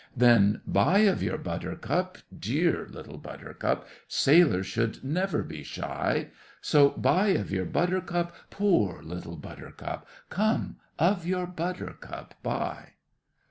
Then buy of your Buttercup—dear Little Buttercup; Sailors should never be shy; So, buy of your Buttercup—poor Little Buttercup; Come, of your Buttercup buy!